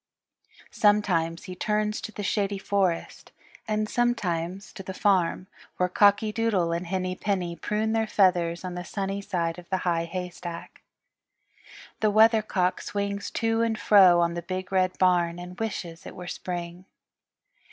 Sometimes he turns to the Shady Forest, and sometimes to the farm, where Cocky Doodle and Henny Penny prune their feathers on the sunny side of the High Haystack. The Weathercock swings to and fro on the Big Red Barn and wishes it were Spring.